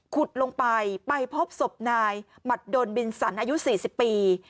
ขุดลงไปไปพบศพนายหมัดดนบินสันอายุ๔๐ปี